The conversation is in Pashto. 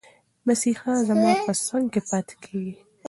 مسیحا زما په څنګ کې پاتې کېږي.